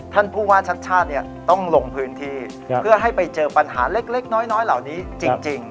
ท่านผู้ว่าชัดชาติต้องลงพื้นที่เพื่อให้ไปเจอปัญหาเล็กน้อยเหล่านี้จริง